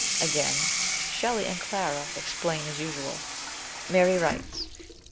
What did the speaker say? Again " Shelley and Clara explain as usual/' Mary writes " Nov.